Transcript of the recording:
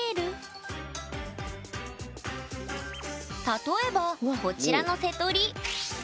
例えばこちらのセトリ。